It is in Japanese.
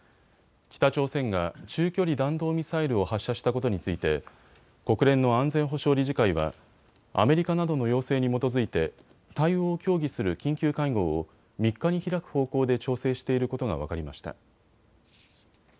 北朝鮮が中距離弾道ミサイルを発射したことについて国連の安全保障理事会はアメリカなどの要請に基づいて対応を協議する緊急会合を３日に開く方向で調整していることが分かりました。